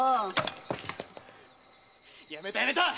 〔やめたやめた！